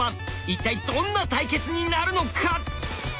一体どんな対決になるのか！